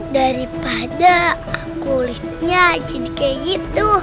daripada kulitnya gini kayak gitu